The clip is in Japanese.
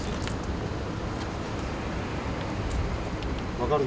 分かる？